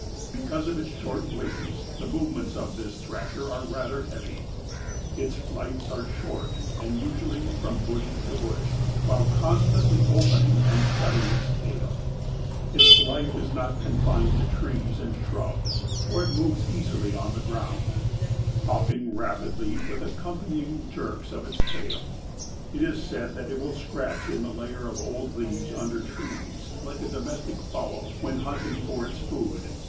Because of its short wings the movements of this Thrasher are rather heavy. Its flights are short and usually from bush to bush, while constantly opening and shutting its tail. Its life is not confined to trees and shrubs, for it moves easily on the ground, hopping rapidly with accompanying jerks of its tail. It is said that it will scratch in the layer of old leaves under trees, like a domestic fowl when hunting for its food.